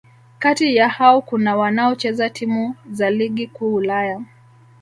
Kati ya hao kuna wanaocheza timu za Ligi Kuu Ulaya